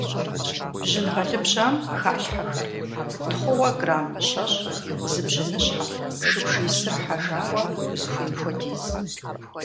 Бжьын гъэлыбжьам халъхьэхэр: тхъууэ грамм щэщӏ, зы бжьыныщхьэ, шыбжий сыр хьэжауэ — узыхуейм хуэдиз.